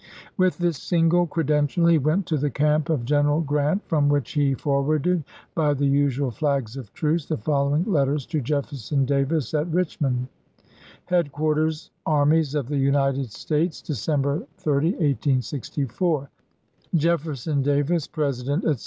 With this single credential he went to the camp of General Grant, from which he forwarded, by the usual flags of truce, the following letters to Jeffer son Davis at Richmond : Headquarters Armies of the United States, December 30, 1864. Jefferson Davis, President, etc.